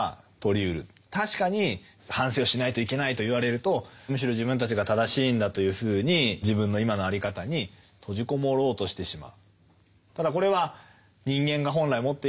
確かに反省をしないといけないと言われるとむしろ自分たちが正しいんだというふうに自分の今の在り方に閉じ籠もろうとしてしまう。